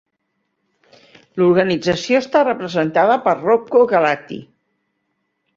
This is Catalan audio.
L'organització està representada per Rocco Galati.